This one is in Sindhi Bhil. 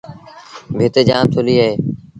ڀت جآم ٿُليٚ اهي۔